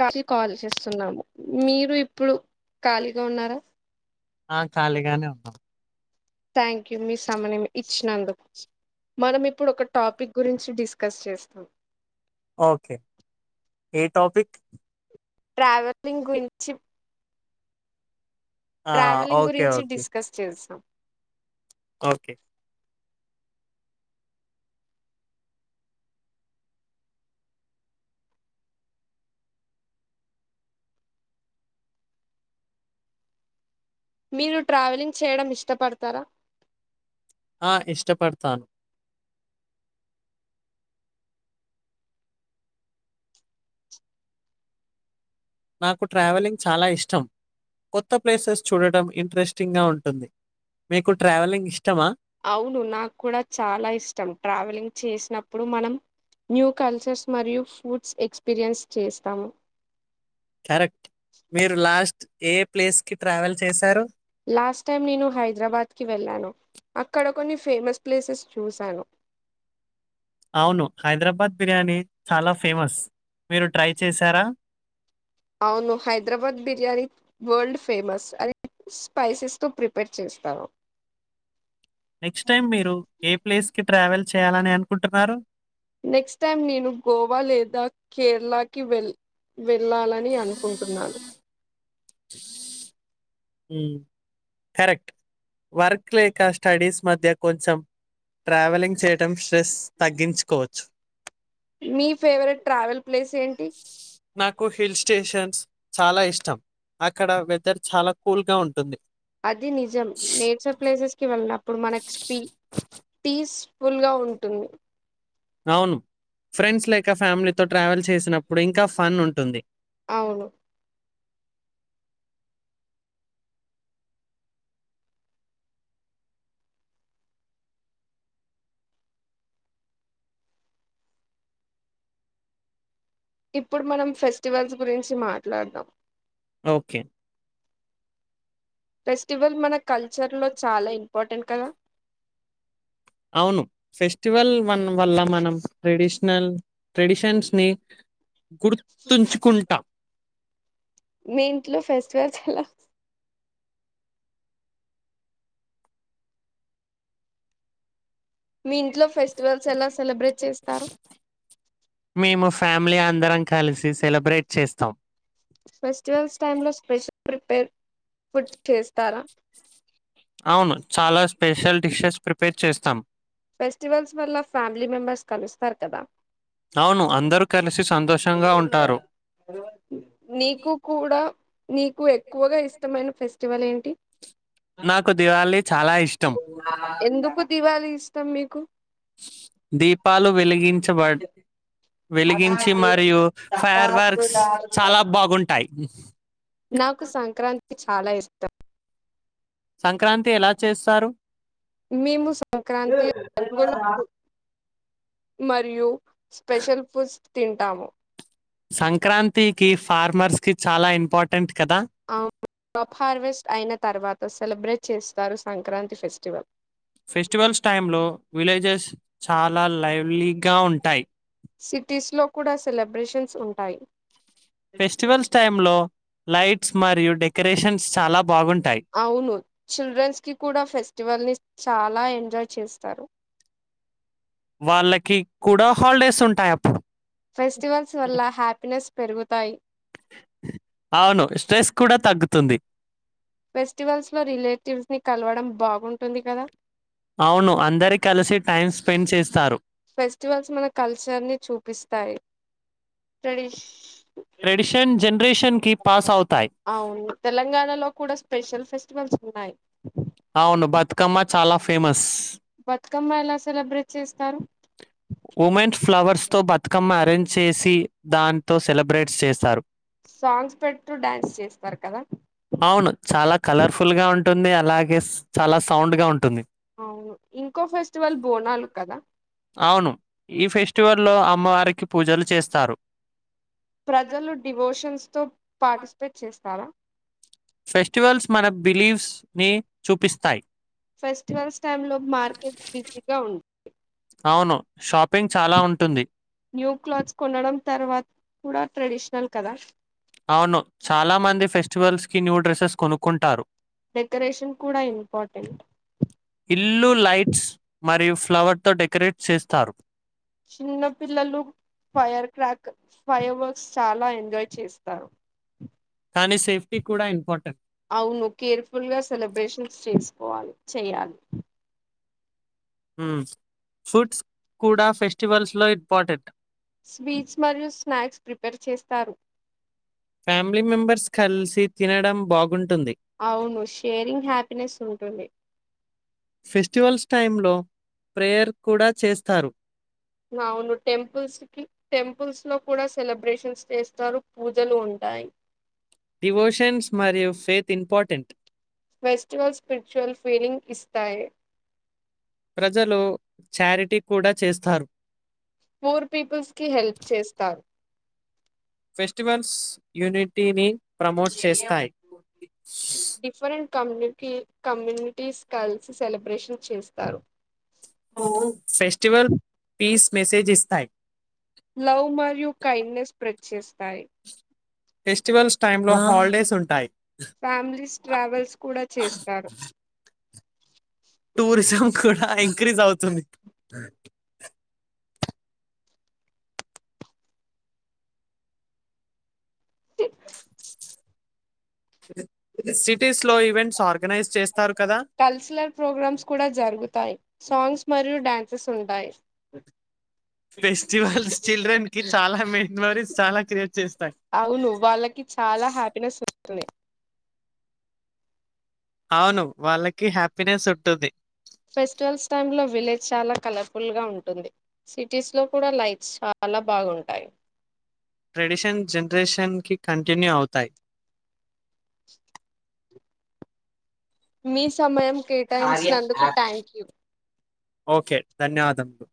కాకి కాల్ చేస్తున్నాము మీరు ఇప్పుడు ఖాళీగా ఉన్నారా ఆ ఖాళీగానే ఉన్నాం థ్యాంక్ యూ మీ సమయం ఇచ్చినందుకు మనం ఇప్పుడు ఒక టాపిక్ గురించి డిస్కస్ చేస్తాం ఓకే ఏ టాపిక్ ట్రావెలింగ్ గురించి ఆ! Travelling okay. గురించి ఓకే. డిస్కస్ చేస్తాం ఓకే మీరు ట్రావెలింగ్ చేయడం ఇష్టపడతారా ఆ ఇష్టపడతాను నాకు ట్రావెలింగ్ చాలా ఇష్టం కొత్త ప్లేసెస్ చూడటం ఇంట్రెస్టింగ్గా ఉంటుంది మీకు ట్రావెలింగ్ ఇష్టమా అవును నాకు కూడా చాలా ఇష్టం ట్రావెలింగ్ చేసినప్పుడు మనం న్యూ కల్చర్స్ మరియు ఫుడ్స్ ఎక్స్పీరియన్స్ చేస్తాము కరెక్ట్ మీరు లాస్ట్ ఏ ప్లేస్ కి ట్రావెల్ చేశారు లాస్ట్ టైం నేను హైదరాబాద్ కి వెళ్ళాను అక్కడ కొన్ని ఫేమస్ ప్లేసెస్ చూశాను అవును హైదరాబాద్ బిర్యానీ చాలా ఫేమస్ మీరు ట్రై చేశారా అవును హైదరాబాద్ బిర్యానీ వరల్డ్ ఫేమస్ అని స్పైసెస్తో ప్రిపేర్ చేస్తారు నెక్స్ట్ టైమ్ మీరు ఏ ప్లేస్ కి ట్రావెల్ చేయాలని అనుకుంటున్నారు నెక్స్ట్ టైం నేను గోవా లేదా కేరళకి వెళ్ళ వెళ్ళాలని అనుకుంటున్నాను ఉమ్ కరెక్ట్ వర్క్ లేక స్టడీస్ మధ్య కొంచెం ట్రావెలింగ్ చేయడం స్ట్రెస్ తగ్గించుకోవచ్చు మీ ఫేవరెట్ ట్రావెల్ ప్లేస్ ఏంటి నాకు హిల్ స్టేషన్స్ చాలా ఇష్టం అక్కడ వెదర్ చాలా కూల్ గా ఉంటుంది అది నిజం నేచర్ ప్లేసెస్కి వెళ్ళినప్పుడు మనకు స్పీ పీస్ ఫుల్గా ఉంటుంది అవును ఫ్రెండ్స్ లేక ఫ్యామిలీతో ట్రావెల్ చేసినప్పుడు ఇంకా ఫన్ ఉంటుంది అవును ఇప్పుడు మనం ఫెస్టివల్స్ గురించి మాట్లాడదాం ఓకే ప్రస్ ఫెస్టివల్ మన కల్చర్ లో చాలా ఇంపార్టెంట్ కదా అవును ఫెస్టివల్ వన్ వల్ల మనం ట్రెడిషనల్ ట్రెడిషన్స్ ని గుర్తుంచుకుంటాం మీ ఇంట్లో ఫెస్టివల్స్ ఎలా మీ ఇంట్లో ఫెస్టివల్స్ ఎలా సెలబ్రేట్ చేస్తారు మేము ఫ్యామిలీ అందరం కలిసి సెలబ్రేట్ చేస్తాం ఫెస్టివల్స్ టైం లో స్పెషల్ ప్రిపేర్ ఫుడ్ చేస్తారా అవును చాలా స్పెషల్ డిషెస్ ప్రిపేర్ చేస్తాం ఫెస్టివల్స్ వల్ల ఫ్యామిలీ మెంబర్స్ కలుస్తా తార్కద అవును అందరూ కలిసి సంతోషంగా ఉంటారు నీకు కూడా నీకు ఎక్కువగా ఇష్టమైన ఫెస్టివల్ ఏంటి నాకు దివాళి చాలా ఇష్టం ఎందుకు దివాళి ఇష్టం మీకు దీపాలు వెలిగిం చబడ్ వెలిగించి మరియు ఫైర్ వర్క్స్ చాలా బాగుంటాయి నాకు సంక్రాంతి చాలా ఇష్టం సంక్రాంతి ఎలా చేస్తారు మేము సంక్రాంతి రంగుల పూలు మరియు స్పెషల్ ఫుడ్స్ తింటాము సంక్రాంతికిఫ ఫార్మర్స్ కి చాలా ఇంపార్టెంట్ కదా వు క్రాప్ హార్వెస్ట్ అయిన తర్వాత సెలబ్రేట్ చేస్తారు సంక్రాంతి ఫెస్టివల్ ఫెస్టివల్స్ టైమ్ లో విలేజెస్ చాలా లైవ్లీగా ఉంటాయి సిటీస్ లో కూడా సెలబ్రేషన్స్ ఉంటాయి ఫెస్టివల్స్ టైమ్ లో లైట్స్ మరియు డెక రేషన్స్ చాలా బాగుంట్ అవును చిల్డ్రన్స్ కి కూడా ఫెస్టివల్ ని చాలా ఎంట ఎంజాయ్ చేస్తారు వాళ్ళక్ కి కూడా హాలిడేస్ ఉంటాయ్ అప్పుడు ఫెస్టివల్స్ వల్ల హ్యాపీనెస్ పెరుగుతాయి అవును స్ట్రెస్ కూడా తగ్గుతు తుంది ఫెస్టివల్స్ లో రిలేటివ్స్ ని కలవడం బాగుంటుంది కదా అవును అందరి కలిసి టైం స్పెండ్ చేస్తారు ఫెస్టివల్స్ మన కల్చర్ ని చూపిస్తాయి ట్రెడిష్ ట్రెడిషన్ జనరేషన్ కి పాస్ అవుతాయి అవును తెలంగాణలో కూడా స్పెషల్ ఫెస్టివల్స్ నయి అవును బతుకమ్మ చాలా ఫేమస్ బతుకమ్మ ఎలా సెలబ్రేట్ చేస్తారు ఉమెన్స్ ఫ్లవర్స్తో బతుకమ్మ అరేంజ్ చేసి దాంతో సెలబ్రేట్ చేశారు సాంగ్స్ పెడుతూ డ్యాన్స్ చేస్తారు కదా కలర్ఫుల్ గా ఉంటుంది అలాగే చాలా సౌండ్ గా ఉంటుంది అవును ఇంకో ఫెస్టివల్ బోనాలు కదా అవును. ఈ ఫెస్టివల్ లో అమ్మవారికి పూజలు చేస్తారు ప్రజలు డివోషన్స్ తో పార్టిసిపేట్ చేస్తారా ఫెస్టివల్స్ మన బిలీఫ్స్ ని చూపిస్తాయి ఫెస్టివల్స్ టైంలో మార్కెట్ బిజీగా ఉంట అవును. షాపింగ్ చాలా ఉంటుంది. న్యూ క్లాత్స్ కొనడం తర్వాత కూడా ట్రెడిషనల్ కదా అవును చాలా మంది ఫెస్టివల్స్ కి న్యూ డ్రెస్సెస్ కొనుక్కుంటారు డెకరేషన్ కూడా ఇంపార్టెంట్ ఇల్లు లైట్స్ మరియు ఫ్లవర్ తో డెకరేట్ చేస్తారు చిన్న పిల్లలు ఫైర్ క్రాక్ ఫైర్ వర్క్స్ చాలా ఎంజాయ్ చేస్తారు కానీ సేఫ్టీ కూడా ఇంపార్టెంట్. అవును కేర్ఫుల్ గా సెలబ్రేషన్స్ చేసి పోవాలి చెయ్యాలి ఉమ్ ఫ్రూట్స్ కూడా ఫెస్టివల్స్ లో ఇంపార్టెంట్ స్వీట్స్ మరియు స్నాక్స్ ప్రిపేర్ చేస్తారు ఫ్యామిలీ మెంబర్స్ కలిసి తినడం బాగున్ అవును షేరింగ్ హ్యాపీనెస్ ఉంటుంది టైం లో ప్రేయర్ కూడ చేస్తారు అవును టెంపుల్స్కి టెం పుల్స్ లో కూడ సెలబ్రేషన్స్ చేస్తారు పూజలు ఉంటాయి డివోషన్స్ మరియు faith important festivals spiritual feeling ఇస్తాయి ప్రజలు చారిటీ కూడ చేస్తారు పూర్ పీపుల్స్ కి హెల్ప్ చేస్తారు ఫెస్టివల్స్ యూనిటీని ప్రమోట్స్ చేస్తాయి ష్ డిఫరెంట్ కమ్మునుకి కమ్యూనిటీస్ కలిసి సెలబ్రేషన్ చేస్తారు ఫెస్టివల్ పీస్ మెసేజ్ ఇస్తాయి లవ్ మరియు కైండ్ నెస్ స్ప్రెడ్ చేస్తాయి ప్లేస్ ఉంటాయి ఫ్యామిలీస్ ట్రావెల్స్ కూడా చేస్తారు టూరిజం కూడ ఇంక్రీజ్ అవుతుంది టిక్ హ్ ది సిటీస్ లో ఈవెంట్స్ ఆర్ కల్చరల్ ప్రోగ్రామ్స్ కూడా జరుగుతాయి సాంగ్స్ మరియు డాన్సెస్ ఉంటాయి ఫెస్టివల్స్ చిల్డ్రన్ కి చాల మెమరిస్ చాలా గ్రేట్ అవును వాళ్ళకి చాలా హ్యాపీ నెస్ క్ లే అవును వాళ్ళకి హ్యాపీ నెస్ ఉంటుంది ఫెస్టివల్స్ టైమ్ లో విలేజ్ చాలా కలర్ఫుల్ గా ఉంటుంది. సిటీస్స్ లో కూడ లైట్స్ చాలా బాగుంటాయి. ట్రెడిషన్ జనరేషన్ కి కంటిన్యూ అవుతాయి మీ సమయం కేటాయించినందుకు టాక్యూ ఓకే ధన్యవాదములు